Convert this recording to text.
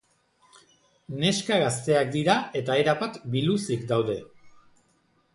Neska gazteak dira eta erabat biluzik daude.